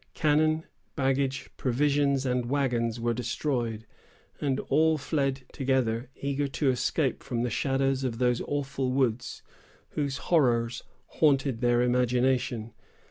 Cannon, baggage, provisions and wagons were destroyed, and all fled together, eager to escape from the shadows of those awful woods, whose horrors haunted their imagination.